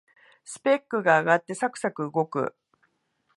スペックが上がってサクサク動く